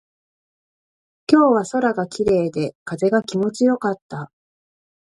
今日は空が綺麗で、風が気持ちよかった。